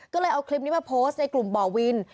ก็เลยเอาคลิปนี้มาโพสต์ในกลุ่มบ่อวิน